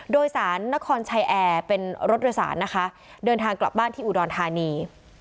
โดยสารนครชัยแอร์เป็นรถโดยสารนะคะเดินทางกลับบ้านที่อุดรธานี